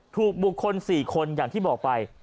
ถูกบุคคล๔คนอย่างที่บอกไป